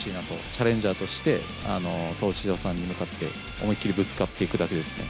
チャレンジャーとして東京さんに向かって、思いっ切りぶつかっていくだけですね。